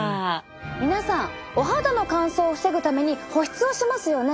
皆さんお肌の乾燥を防ぐために保湿をしますよね。